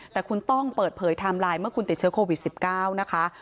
แต่คุณต้องเปิดเผยไทม์ไลน์เมื่อคุณติดเชื้อโควิด๑๙นะคะ